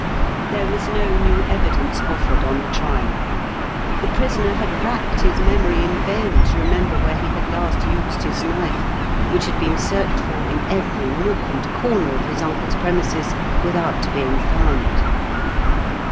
There was no new evidence offered on the trial. The prisoner had racked his memory in vain to remember where he had last used his knife, which had been searched for in every nook and corner of his uncle's premises without being found.